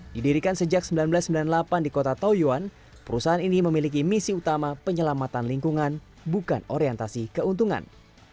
didirikan sejak seribu sembilan ratus sembilan puluh delapan di kota taoyuan perusahaan ini memiliki misi utama penyelamatan lingkungan bukan orientasi keuntungan